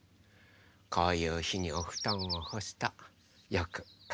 こういうひにおふとんをほすとよくかわくんですよね。